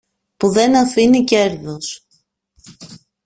που δεν αφήνει κέρδος.